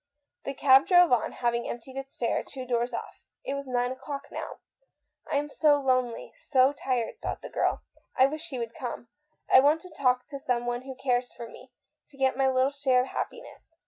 The cab drove on, hav ing emptied its fare two doors off. It was nine o'clock now. " I am so lonely, so tired," thought the girl. " I wish he would come. I want to talk to someone who cares for me, to get my little share of happiness.